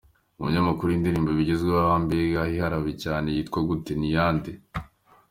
Umunyamakuru: Indirimbo ubu igezweho aho mbega iharawe cyane yitwa gute? ni iyande?.